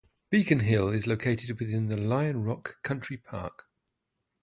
Beacon Hill is located within the Lion Rock Country Park.